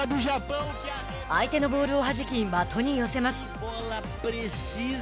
相手のボールをはじき的に寄せます。